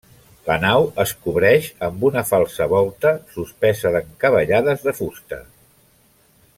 La nau es cobreix amb una falsa volta suspesa d'encavallades de fusta.